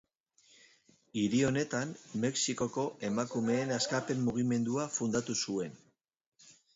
Hiri honetan, Mexikoko Emakumeen Askapen Mugimendua fundatu zuen.